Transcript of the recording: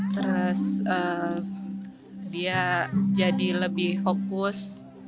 terus dia jadi lebih fokus